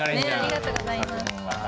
ありがとうございます。